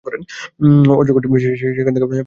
অজগরটি সেখান থেকে পালিয়ে যেতে চেষ্টা করেও পারেনি।